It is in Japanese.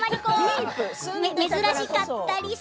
珍しかったり。